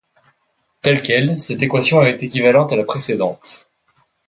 Telle quelle cette équation est équivalente à la précédente.